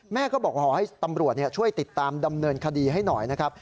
แม่ก็บอกขอให้ตำรวจช่วยติดตามดำเนินคดีให้หน่อยนะครับ